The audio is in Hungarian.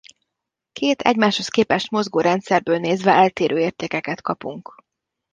Két egymáshoz képest mozgó rendszerből nézve eltérő értéket kapunk.